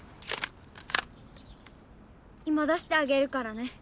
今出してあげるからね！